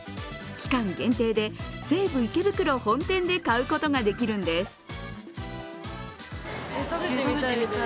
期間限定で西部池袋本店で買うことができるんです。